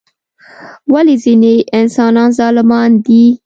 ولی ځینی انسانان ظالمان دي؟